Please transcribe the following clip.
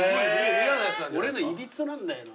俺のいびつなんだよな。